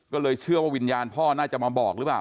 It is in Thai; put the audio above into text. ก็เลยเชื่อว่าวิญญาณพ่อน่าจะมาบอกหรือเปล่า